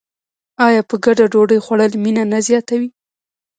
آیا په ګډه ډوډۍ خوړل مینه نه زیاتوي؟